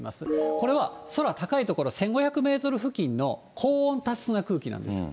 これは空高い所、１５００メートル付近の高温多湿な空気なんですよ。